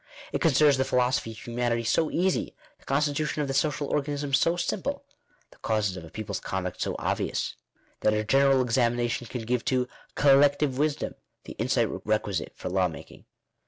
It .considers the philosophy of humanity so easy, the con stitution of the social organism so simple, the causes of a peo Digitized by VjOOQIC 12 INTRODUCTION. pie's conduct so obvious, that a general examination can give to "collective wisdom," the insight requisite for law making.